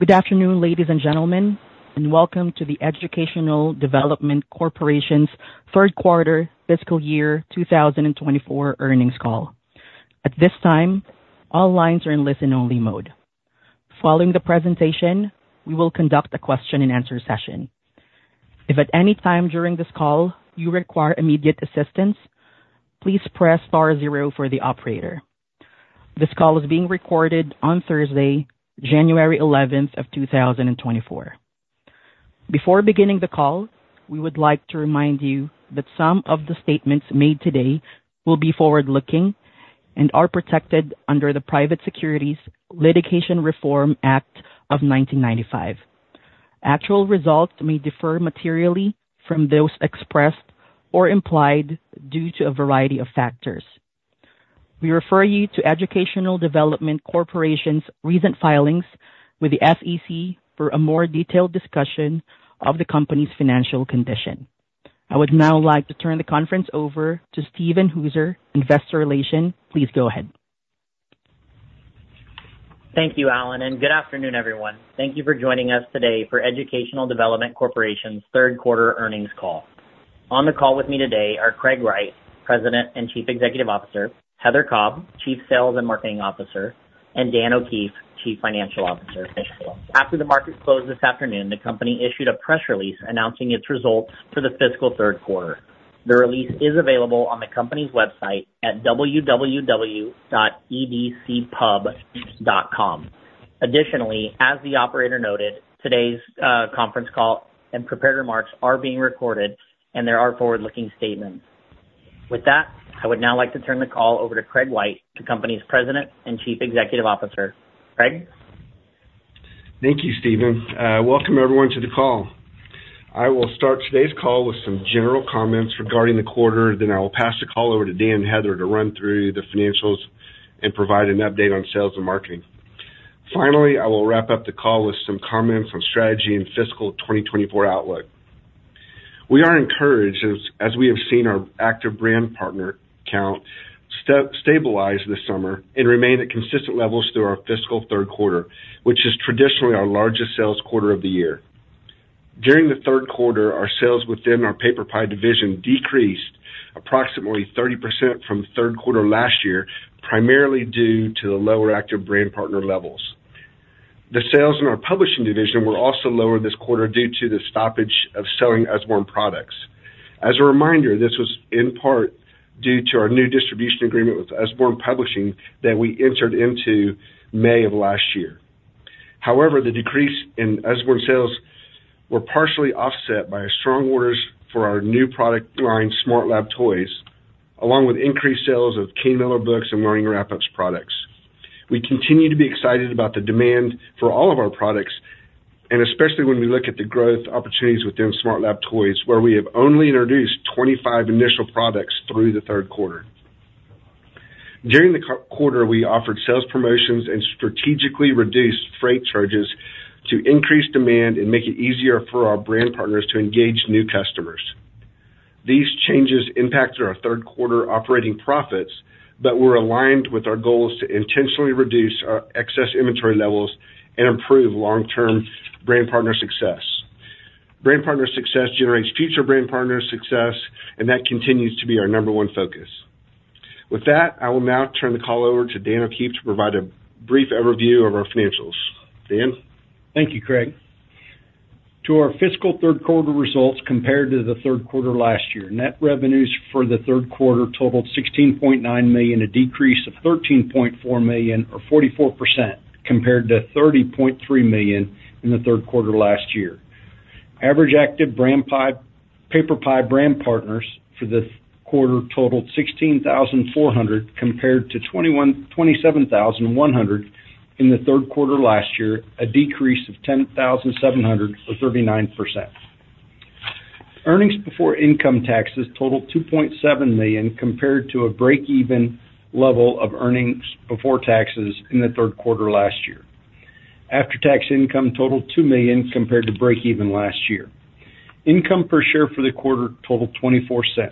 Good afternoon, ladies and gentlemen, and welcome to the Educational Development Corporation's third quarter fiscal year 2024 earnings call. At this time, all lines are in listen-only mode. Following the presentation, we will conduct a question-and-answer session. If at any time during this call you require immediate assistance, please press star zero for the operator. This call is being recorded on Thursday, January 11, 2024. Before beginning the call, we would like to remind you that some of the statements made today will be forward-looking and are protected under the Private Securities Litigation Reform Act of 1995. Actual results may differ materially from those expressed or implied due to a variety of factors. We refer you to Educational Development Corporation's recent filings with the SEC for a more detailed discussion of the company's financial condition. I would now like to turn the conference over to Steven Hooser, Investor Relations. Please go ahead. Thank you, Allen, and good afternoon, everyone. Thank you for joining us today for Educational Development Corporation's third quarter earnings call. On the call with me today are Craig White, President and Chief Executive Officer, Heather Cobb, Chief Sales and Marketing Officer, and Dan O'Keefe, Chief Financial Officer. After the market closed this afternoon, the company issued a press release announcing its results for the fiscal third quarter. The release is available on the company's website at www.edcpub.com. Additionally, as the operator noted, today's conference call and prepared remarks are being recorded, and there are forward-looking statements. With that, I would now like to turn the call over to Craig White, the company's President and Chief Executive Officer. Craig? Thank you, Steven. Welcome, everyone, to the call. I will start today's call with some general comments regarding the quarter, then I will pass the call over to Dan and Heather to run through the financials and provide an update on sales and marketing. Finally, I will wrap up the call with some comments on strategy and fiscal 2024 outlook. We are encouraged as we have seen our active brand partner count stabilize this summer and remain at consistent levels through our fiscal third quarter, which is traditionally our largest sales quarter of the year. During the third quarter, our sales within our PaperPie division decreased approximately 30% from third quarter last year, primarily due to the lower active brand partner levels. The sales in our publishing division were also lower this quarter due to the stoppage of selling Usborne products. As a reminder, this was in part due to our new distribution agreement with Usborne Publishing that we entered into May of last year. However, the decrease in Usborne sales were partially offset by strong orders for our new product line, SmartLab Toys, along with increased sales of Kane Miller Books and Learning Wrap-Ups products. We continue to be excited about the demand for all of our products, and especially when we look at the growth opportunities within SmartLab Toys, where we have only introduced 25 initial products through the third quarter. During the third quarter, we offered sales promotions and strategically reduced freight charges to increase demand and make it easier for our brand partners to engage new customers. These changes impacted our third quarter operating profits, but were aligned with our goals to intentionally reduce our excess inventory levels and improve long-term brand partner success. Brand Partner success generates future Brand Partner success, and that continues to be our number one focus. With that, I will now turn the call over to Dan O'Keefe to provide a brief overview of our financials. Dan? Thank you, Craig. To our fiscal third quarter results compared to the third quarter last year, net revenues for the third quarter totaled $16.9 million, a decrease of $13.4 million, or 44%, compared to $30.3 million in the third quarter last year. Average active PaperPie brand partners for the quarter totaled 16,400, compared to 27,100 in the third quarter last year, a decrease of 10,700 or 39%. Earnings before income taxes totaled $2.7 million, compared to a break-even level of earnings before taxes in the third quarter last year. After-tax income totaled $2 million compared to break-even last year. Income per share for the quarter totaled $0.24.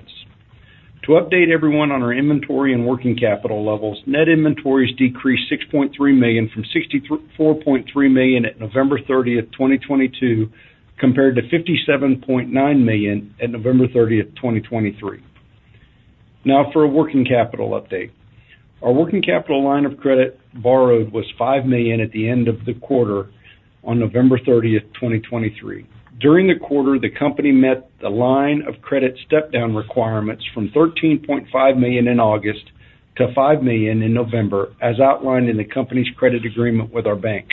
To update everyone on our inventory and working capital levels, net inventories decreased $6.3 million from $64.3 million at November 30th, 2022, compared to $57.9 million at November 30th, 2023. Now for a working capital update. Our working capital line of credit borrowed was $5 million at the end of the quarter on November 30th, 2023. During the quarter, the company met the line of credit step-down requirements from $13.5 million in August to $5 million in November, as outlined in the company's credit agreement with our bank.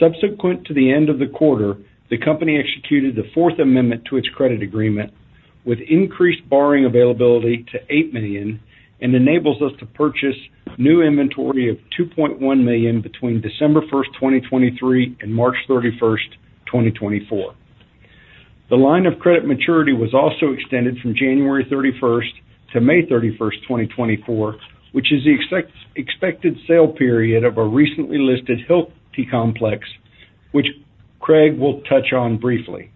Subsequent to the end of the quarter, the company executed the fourth amendment to its credit agreement, with increased borrowing availability to $8 million and enables us to purchase new inventory of $2.1 million between December 1st, 2023, and March 31st, 2024. The line of credit maturity was also extended from January 31st to May 31st, 2024, which is the expected sale period of our recently listed Hilti Complex, which Craig will touch on briefly.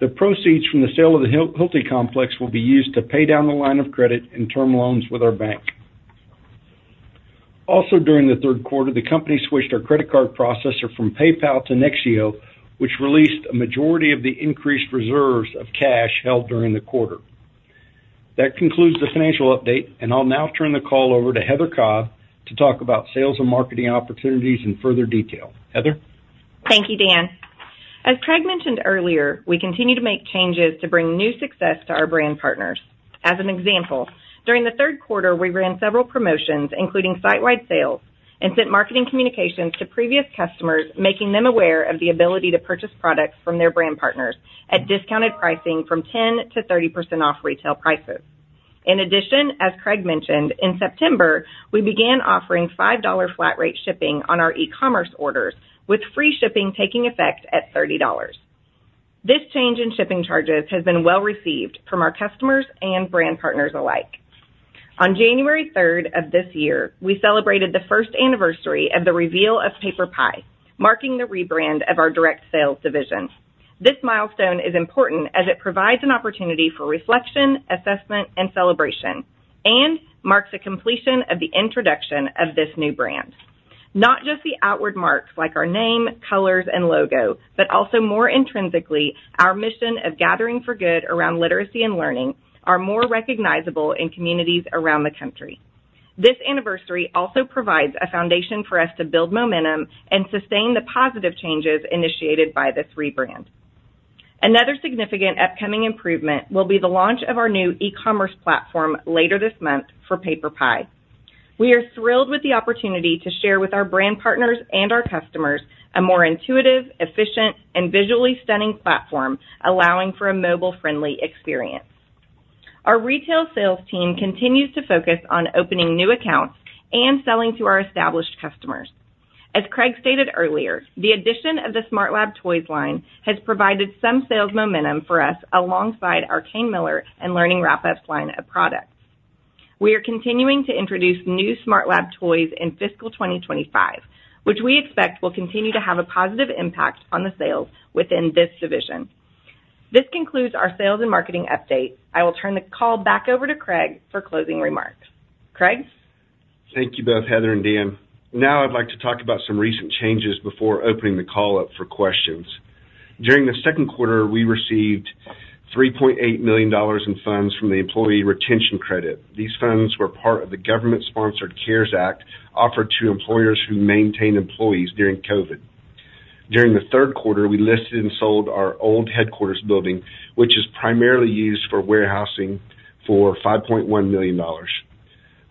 The proceeds from the sale of the Hilti Complex will be used to pay down the line of credit and term loans with our bank. Also, during the third quarter, the company switched our credit card processor from PayPal to Nexio, which released a majority of the increased reserves of cash held during the quarter. That concludes the financial update, and I'll now turn the call over to Heather Cobb to talk about sales and marketing opportunities in further detail. Heather? Thank you, Dan. As Craig mentioned earlier, we continue to make changes to bring new success to our brand partners. As an example, during the third quarter, we ran several promotions, including site-wide sales, and sent marketing communications to previous customers, making them aware of the ability to purchase products from their brand partners at discounted pricing from 10%-30% off retail prices. In addition, as Craig mentioned, in September, we began offering $5 flat rate shipping on our e-commerce orders, with free shipping taking effect at $30. This change in shipping charges has been well received from our customers and brand partners alike. On January third of this year, we celebrated the first anniversary of the reveal of PaperPie, marking the rebrand of our direct sales division. This milestone is important as it provides an opportunity for reflection, assessment, and celebration, and marks the completion of the introduction of this new brand. Not just the outward marks, like our name, colors, and logo, but also, more intrinsically, our mission of gathering for good around literacy and learning are more recognizable in communities around the country. This anniversary also provides a foundation for us to build momentum and sustain the positive changes initiated by this rebrand. Another significant upcoming improvement will be the launch of our new e-commerce platform later this month for PaperPie. We are thrilled with the opportunity to share with our brand partners and our customers a more intuitive, efficient, and visually stunning platform, allowing for a mobile-friendly experience. Our retail sales team continues to focus on opening new accounts and selling to our established customers. As Craig stated earlier, the addition of the SmartLab Toys line has provided some sales momentum for us alongside our Kane Miller and Learning Wrap-Ups line of products. We are continuing to introduce new SmartLab Toys in fiscal 2025, which we expect will continue to have a positive impact on the sales within this division. This concludes our sales and marketing update. I will turn the call back over to Craig for closing remarks. Craig? Thank you both, Heather and Dan. Now I'd like to talk about some recent changes before opening the call up for questions. During the second quarter, we received $3.8 million in funds from the Employee Retention Credit. These funds were part of the government-sponsored CARES Act, offered to employers who maintained employees during COVID. During the third quarter, we listed and sold our old headquarters building, which is primarily used for warehousing, for $5.1 million.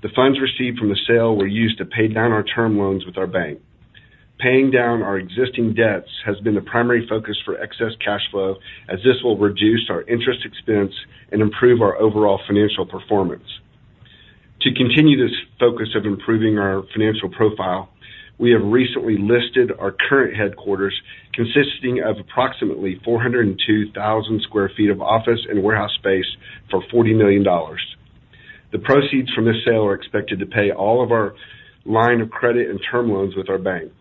The funds received from the sale were used to pay down our term loans with our bank. Paying down our existing debts has been the primary focus for excess cash flow, as this will reduce our interest expense and improve our overall financial performance. To continue this focus of improving our financial profile, we have recently listed our current headquarters, consisting of approximately 402,000 sq ft of office and warehouse space for $40 million. The proceeds from this sale are expected to pay all of our line of credit and term loans with our bank.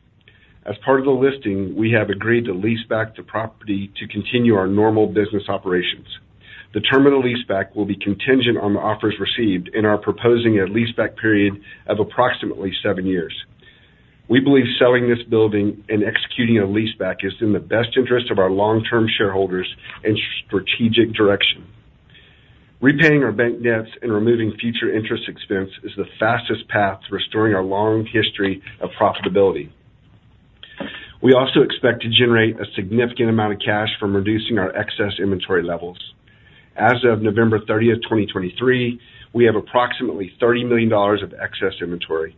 As part of the listing, we have agreed to lease back the property to continue our normal business operations. The term of the leaseback will be contingent on the offers received and are proposing a leaseback period of approximately 7 years. We believe selling this building and executing a leaseback is in the best interest of our long-term shareholders and strategic direction. Repaying our bank debts and removing future interest expense is the fastest path to restoring our long history of profitability. We also expect to generate a significant amount of cash from reducing our excess inventory levels. As of November 30, 2023, we have approximately $30 million of excess inventory.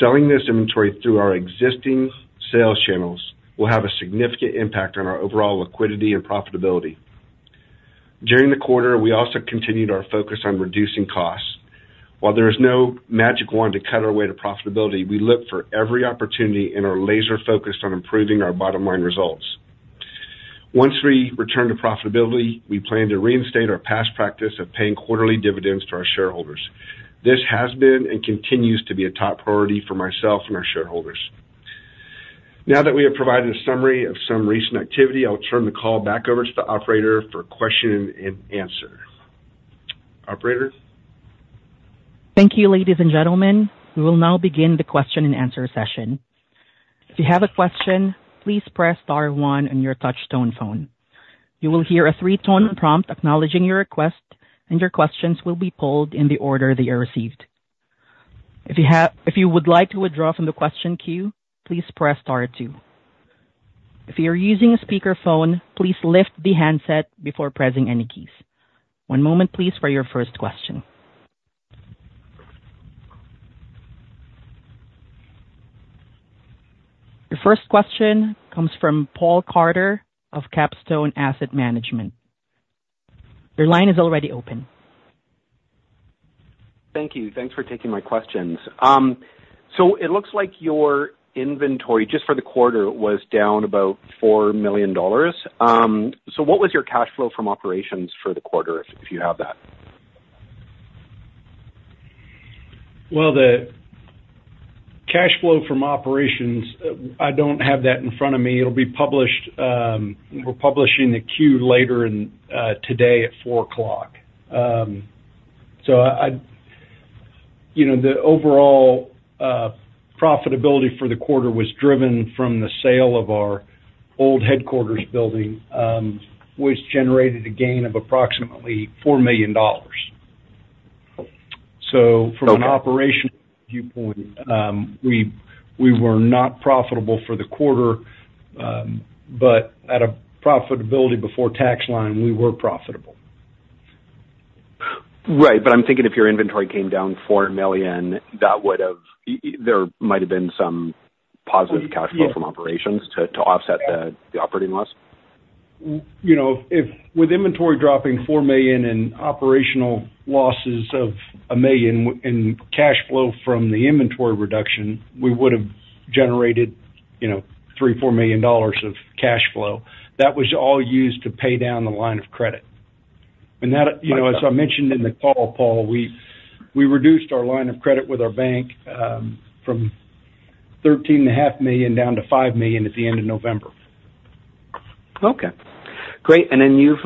Selling this inventory through our existing sales channels will have a significant impact on our overall liquidity and profitability. During the quarter, we also continued our focus on reducing costs. While there is no magic wand to cut our way to profitability, we look for every opportunity and are laser-focused on improving our bottom-line results. Once we return to profitability, we plan to reinstate our past practice of paying quarterly dividends to our shareholders. This has been and continues to be a top priority for myself and our shareholders. Now that we have provided a summary of some recent activity, I'll turn the call back over to the operator for question and answer. Operator? Thank you, ladies and gentlemen. We will now begin the question-and-answer session. If you have a question, please press star one on your touch-tone phone. You will hear a three-tone prompt acknowledging your request, and your questions will be pulled in the order they are received. If you would like to withdraw from the question queue, please press star two. If you are using a speakerphone, please lift the handset before pressing any keys. One moment, please, for your first question. Your first question comes from Paul Carter of Capstone Asset Management. Your line is already open. Thank you. Thanks for taking my questions. So it looks like your inventory, just for the quarter, was down about $4 million. So what was your cash flow from operations for the quarter, if you have that? Well, the cash flow from operations, I don't have that in front of me. It'll be published, we're publishing the Q later today at 4:00 o'clock. So you know, the overall profitability for the quarter was driven from the sale of our old headquarters building, which generated a gain of approximately $4 million. So- Okay. From an operational viewpoint, we were not profitable for the quarter, but at a profitability before tax line, we were profitable. Right. But I'm thinking if your inventory came down $4 million, that would have, there might have been some positive cash flow. Yes. -from operations to offset the operating loss. You know, if with inventory dropping $4 million and operational losses of $1 million and cash flow from the inventory reduction, we would have generated, you know, $3-$4 million of cash flow. That was all used to pay down the line of credit. And that, you know, as I mentioned in the call, Paul, we, we reduced our line of credit with our bank from $13.5 million down to $5 million at the end of November. Okay, great. And then you've,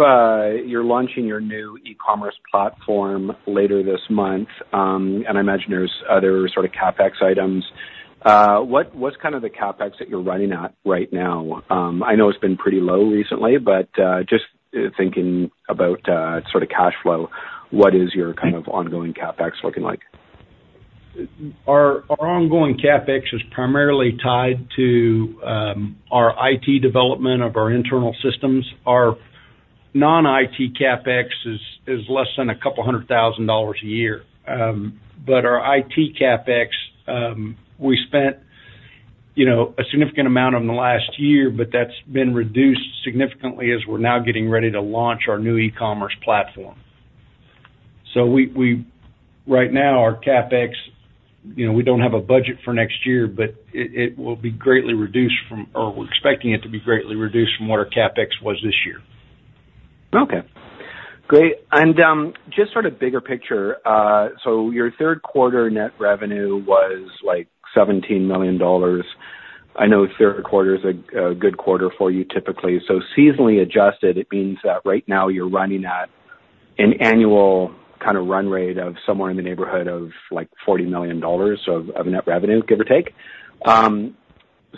you're launching your new e-commerce platform later this month. And I imagine there's other sort of CapEx items. What, what's kind of the CapEx that you're running at right now? I know it's been pretty low recently, but just thinking about sort of cash flow, what is your kind of ongoing CapEx looking like? Our ongoing CapEx is primarily tied to our IT development of our internal systems. Our non-IT CapEx is less than a couple of $100,000 a year. But our IT CapEx, we spent, you know, a significant amount on the last year, but that's been reduced significantly as we're now getting ready to launch our new e-commerce platform. So right now, our CapEx, you know, we don't have a budget for next year, but it will be greatly reduced from or we're expecting it to be greatly reduced from what our CapEx was this year. Okay, great. And, just sort of bigger picture, so your third quarter net revenue was, like, $17 million. I know third quarter is a good quarter for you typically. So seasonally adjusted, it means that right now you're running at an annual kind of run rate of somewhere in the neighborhood of, like, $40 million of net revenue, give or take.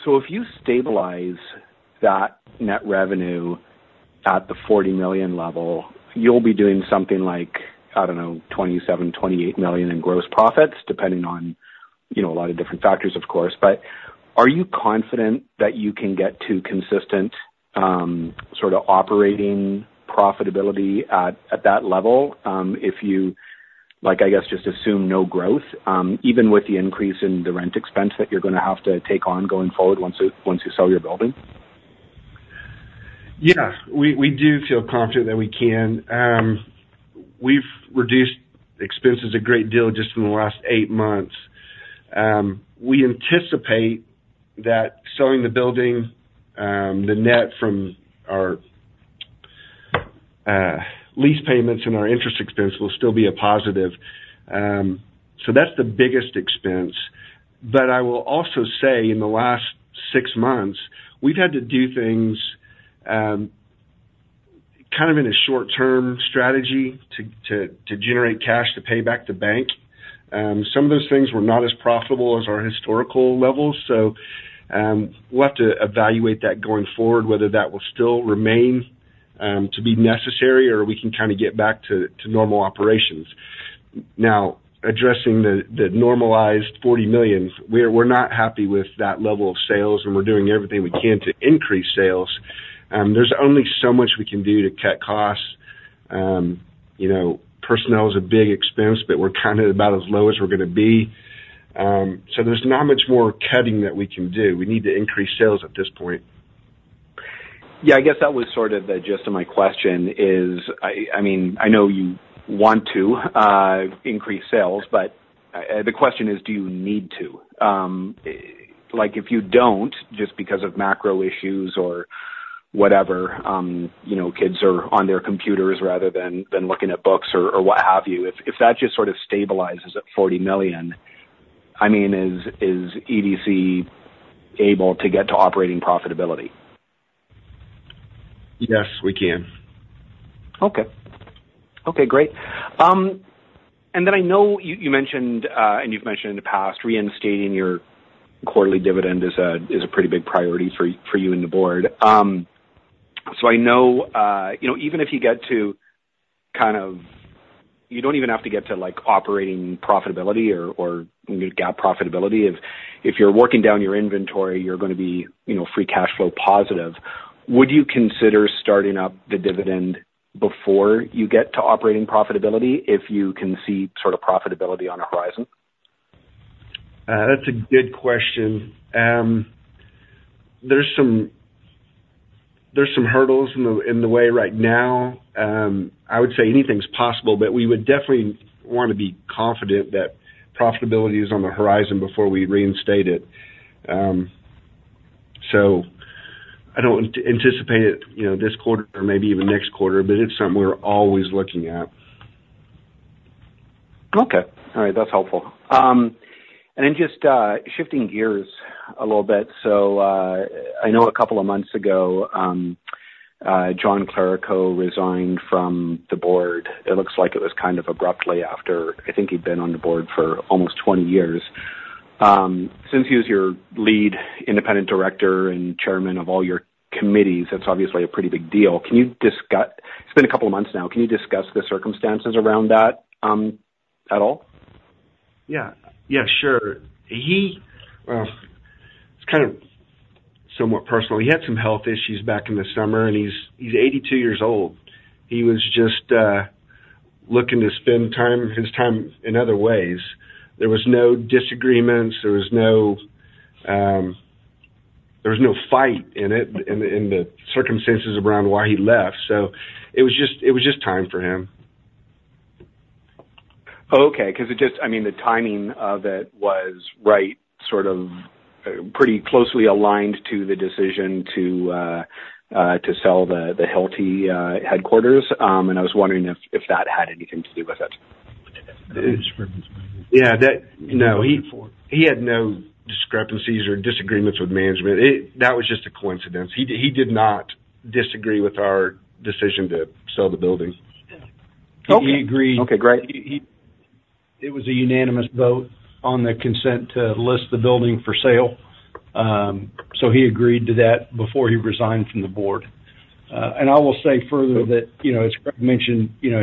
So if you stabilize that net revenue at the $40 million level, you'll be doing something like, I don't know, $27 million-$28 million in gross profits, depending on, you know, a lot of different factors, of course. But are you confident that you can get to consistent, sort of operating profitability at that level, if you, like, I guess, just assume no growth, even with the increase in the rent expense that you're gonna have to take on going forward once you sell your building? Yes, we do feel confident that we can. We've reduced expenses a great deal just in the last eight months. We anticipate that selling the building, the net from our lease payments and our interest expense will still be a positive. So that's the biggest expense. But I will also say in the last six months, we've had to do things kind of in a short-term strategy to generate cash to pay back the bank. Some of those things were not as profitable as our historical levels, so we'll have to evaluate that going forward, whether that will still remain to be necessary or we can kind of get back to normal operations. Now, addressing the normalized $40 million, we're not happy with that level of sales, and we're doing everything we can to increase sales. There's only so much we can do to cut costs. You know, personnel is a big expense, but we're kind of about as low as we're gonna be. So there's not much more cutting that we can do. We need to increase sales at this point. Yeah, I guess that was sort of the gist of my question is, I mean, I know you want to increase sales, but the question is, do you need to? Like, if you don't, just because of macro issues or whatever, you know, kids are on their computers rather than looking at books or what have you, if that just sort of stabilizes at $40 million, I mean, is EDC able to get to operating profitability? Yes, we can. Okay. Okay, great. And then I know you've mentioned in the past, reinstating your quarterly dividend is a pretty big priority for you, for you and the board. So I know, you know, even if you get to kind of... You don't even have to get to, like, operating profitability or, or GAAP profitability. If you're working down your inventory, you're gonna be, you know, free cash flow positive. Would you consider starting up the dividend before you get to operating profitability, if you can see sort of profitability on the horizon? That's a good question. There's some hurdles in the way right now. I would say anything's possible, but we would definitely want to be confident that profitability is on the horizon before we reinstate it. So I don't anticipate it, you know, this quarter or maybe even next quarter, but it's something we're always looking at. Okay. All right. That's helpful. And then just, shifting gears a little bit. So, I know a couple of months ago, John Clerico resigned from the board. It looks like it was kind of abruptly after, I think he'd been on the board for almost 20 years. Since he was your lead independent director and chairman of all your committees, that's obviously a pretty big deal. Can you discuss. It's been a couple of months now. Can you discuss the circumstances around that, at all? Yeah. Yeah, sure. He, it's kind of somewhat personal. He had some health issues back in the summer, and he's 82 years old. He was just looking to spend time, his time in other ways. There was no disagreements. There was no fight in the circumstances around why he left. So it was just time for him. Okay, 'cause it just, I mean, the timing of it was right, sort of, pretty closely aligned to the decision to sell the Hilti headquarters. I was wondering if that had anything to do with it. Yeah, no, he had no discrepancies or disagreements with management. That was just a coincidence. He did not disagree with our decision to sell the building. Okay. He agreed. Okay, great. It was a unanimous vote on the consent to list the building for sale. So he agreed to that before he resigned from the board. And I will say further that, you know, as Craig mentioned, you know,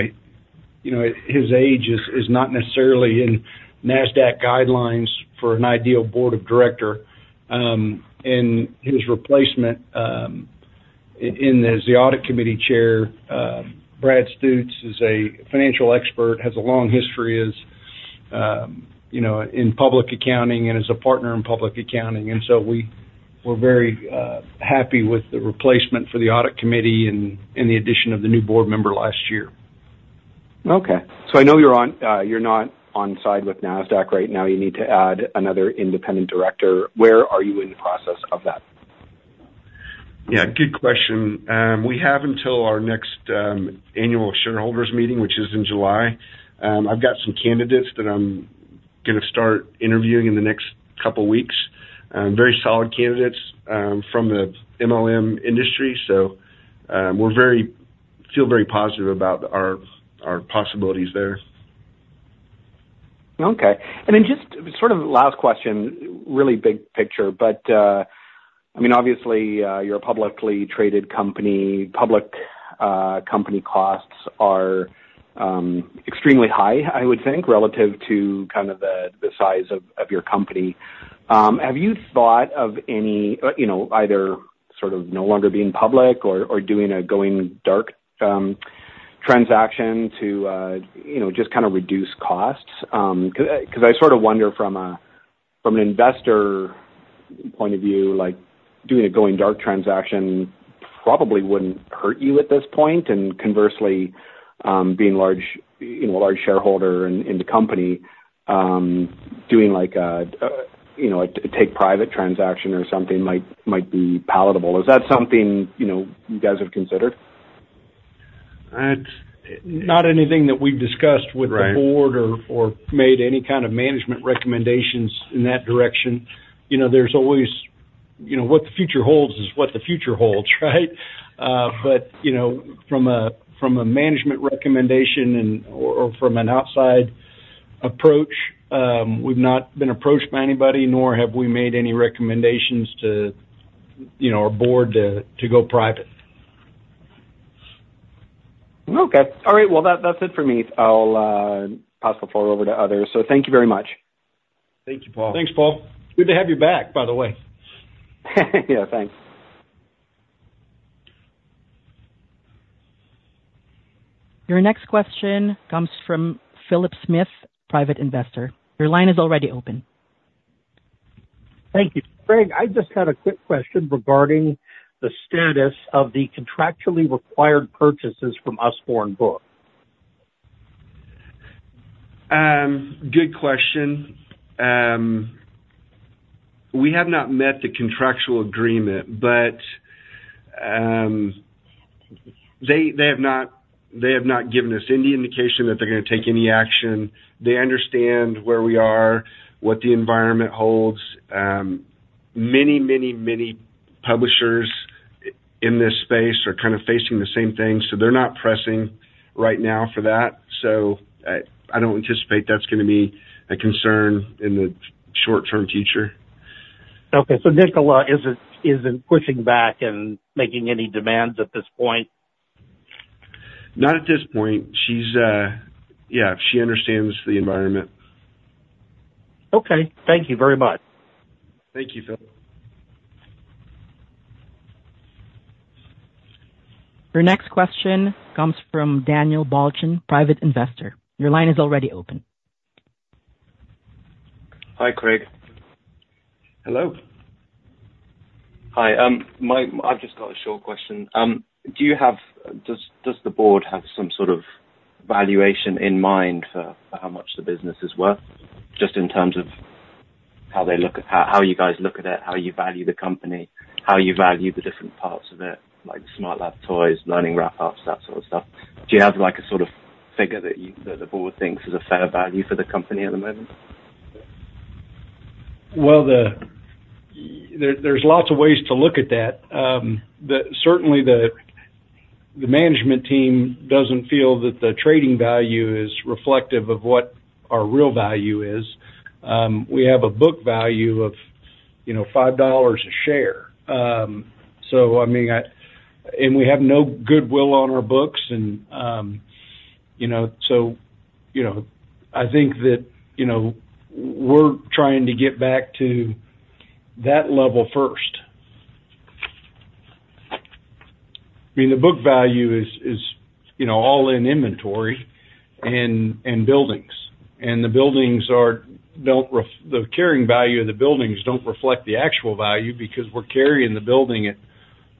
you know, his age is not necessarily in NASDAQ guidelines for an ideal Board of Director. And his replacement, as the Audit Committee Chair, Brad Stutes, is a financial expert, has a long history as, you know, in public accounting and is a partner in public accounting. And so we were very, happy with the replacement for the audit committee and the addition of the new board member last year. Okay. So I know you're not on side with NASDAQ right now. You need to add another independent director. Where are you in the process of that? Yeah, good question. We have until our next annual shareholders meeting, which is in July. I've got some candidates that I'm gonna start interviewing in the next couple weeks. Very solid candidates from the MLM industry. So, we feel very positive about our possibilities there. Okay. And then just sort of last question, really big picture, but, I mean, obviously, you're a publicly traded company. Public, company costs are, extremely high, I would think, relative to kind of the, the size of, of your company. Have you thought of any, you know, either sort of no longer being public or, or doing a going dark, transaction to, you know, just kind of reduce costs? 'Cause I sort of wonder from an investor point of view, like doing a going dark transaction probably wouldn't hurt you at this point. And conversely, being large, you know, a large shareholder in, in the company, doing like a, you know, a take private transaction or something might, might be palatable. Is that something, you know, you guys have considered? It's not anything that we've discussed with- Right. the board or made any kind of management recommendations in that direction. You know, there's always, you know, what the future holds is what the future holds, right? But, you know, from a management recommendation and or from an outside approach, we've not been approached by anybody, nor have we made any recommendations to, you know, our board to go private. Okay. All right, well, that, that's it for me. I'll possibly forward over to others. So thank you very much. Thank you, Paul. Thanks, Paul. Good to have you back, by the way. Yeah, thanks. Your next question comes from Philip Smith, private investor. Your line is already open. Thank you. Craig, I just had a quick question regarding the status of the contractually required purchases from Usborne Books. Good question. We have not met the contractual agreement, but they have not given us any indication that they're gonna take any action. They understand where we are, what the environment holds. Many, many, many publishers in this space are kind of facing the same thing, so they're not pressing right now for that. So I don't anticipate that's gonna be a concern in the short-term future. Okay. So Nicola isn't pushing back and making any demands at this point? Not at this point. She understands the environment. Okay. Thank you very much. Thank you, Philip. Your next question comes from Daniel Balchin, private investor. Your line is already open. Hi, Craig. Hello. Hi, I've just got a short question. Do you have, does the board have valuation in mind for how much the business is worth, just in terms of how they look at how you guys look at it, how you value the company, how you value the different parts of it, like SmartLab Toys, Learning Wrap-Ups, that sort of stuff. Do you have, like, a sort of figure that you, that the board thinks is a fair value for the company at the moment? Well, there's lots of ways to look at that. Certainly, the management team doesn't feel that the trading value is reflective of what our real value is. We have a book value of, you know, $5 a share. So I mean, and we have no goodwill on our books I think that, you know, we're trying to get back to that level first. I mean, the book value is, you know, all in inventory and buildings, and the buildings, the carrying value of the buildings don't reflect the actual value because we're carrying the building at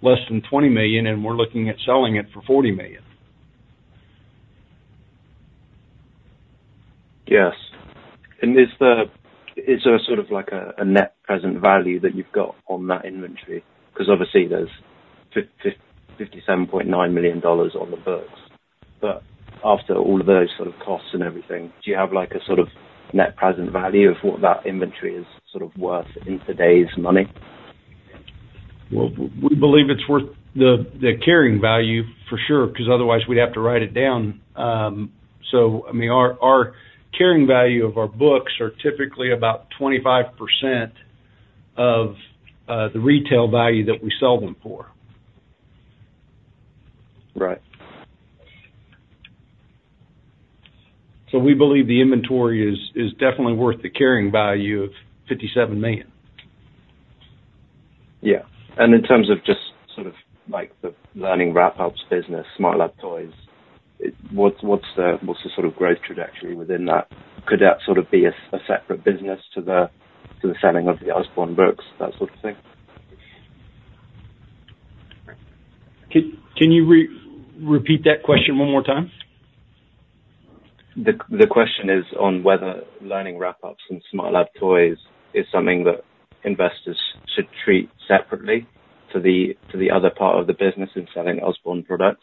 less than $20 million, and we're looking at selling it for $40 million. Yes. Is there sort of like a net present value that you've got on that inventory? Because obviously, there's $57.9 million on the books, but after all of those sort of costs and everything, do you have like a sort of net present value of what that inventory is sort of worth in today's money? Well, we believe it's worth the carrying value for sure, 'cause otherwise we'd have to write it down. So I mean, our carrying value of our books are typically about 25% of the retail value that we sell them for. Right. We believe the inventory is definitely worth the carrying value of $57 million. Yeah, and in terms of just sort of like the Learning Wrap-Ups business, SmartLab Toys, it—what's the sort of growth trajectory within that? Could that sort of be a separate business to the selling of the Usborne Books, that sort of thing? Can you repeat that question one more time? The question is on whether Learning Wrap-Ups and SmartLab Toys is something that investors should treat separately to the other part of the business in selling Usborne products.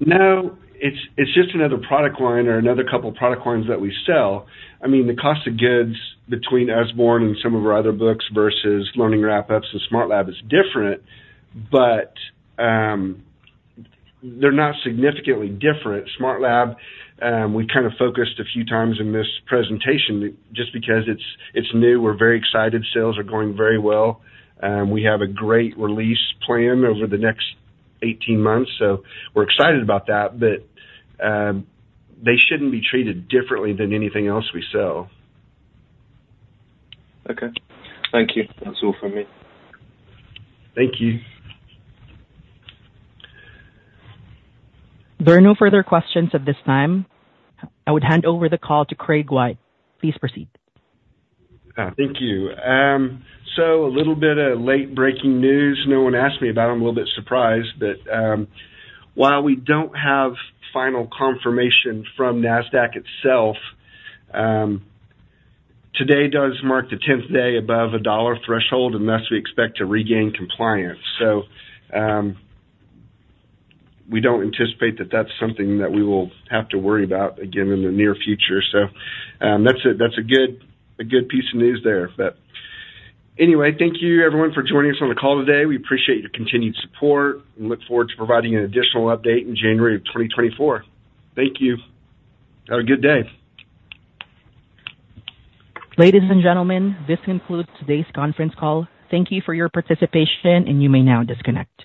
No, it's just another product line or another couple of product lines that we sell. I mean, the cost of goods between Usborne and some of our other books versus Learning Wrap-Ups and SmartLab is different, but they're not significantly different. SmartLab, we kind of focused a few times in this presentation just because it's new. We're very excited. Sales are going very well. We have a great release plan over the next 18 months, so we're excited about that, but they shouldn't be treated differently than anything else we sell. Okay. Thank you. That's all from me. Thank you. There are no further questions at this time. I would hand over the call to Craig White. Please proceed. Thank you. So a little bit of late-breaking news no one asked me about. I'm a little bit surprised, but while we don't have final confirmation from NASDAQ itself, today does mark the 10th day above a $1 threshold, and thus, we expect to regain compliance. So we don't anticipate that that's something that we will have to worry about again in the near future. So that's a, that's a good, a good piece of news there. But anyway, thank you, everyone, for joining us on the call today. We appreciate your continued support and look forward to providing an additional update in January of 2024. Thank you. Have a good day. Ladies and gentlemen, this concludes today's conference call. Thank you for your participation, and you may now disconnect.